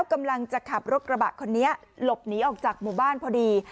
กำลังจะขับรถกระบะคนนี้หลบหนีออกจากหมู่บ้านพอดี